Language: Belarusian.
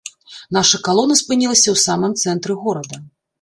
Наша калона спынілася ў самым цэнтры горада.